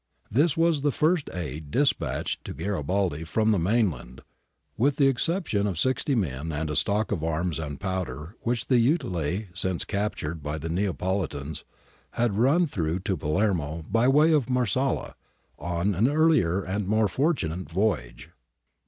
This was the first aid despatched to Garibaldi from the mainland, with the exception of sixty men and a stock of arms and powder which the Utile, since captured by the Neapolitans, had run through to Palermo by way of Marsala on an earlier and more fortunate voyage.